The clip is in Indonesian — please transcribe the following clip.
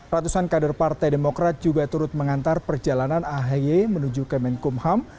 ratusan kader partai demokrat juga turut mengantar perjalanan ahi menuju kemenkumham